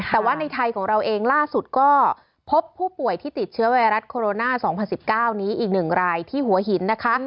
แต่ว่าในไทยของเราเองล่าสุดก็พบผู้ป่วยที่ติดเชื้อไวรัสโคโรนา๒๐๑๙นี้อีก๑รายที่หัวหินนะคะ